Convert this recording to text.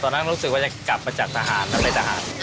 ตอนนั้นรู้สึกว่าจะกลับมาจากสถานแล้วไปสถาน